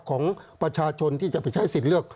ของประชาชนที่จะไปใช้สิทธิ์เลือก